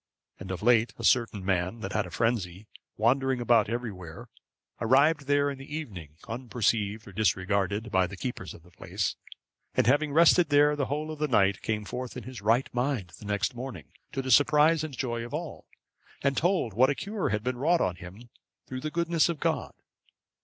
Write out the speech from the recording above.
And of late, a certain man that had a frenzy, wandering about everywhere, arrived there in the evening, unperceived or disregarded by the keepers of the place, and having rested there the whole of the night, came forth in his right mind the next morning, to the surprise and joy of all, and told what a cure had been wrought on him through the goodness of God.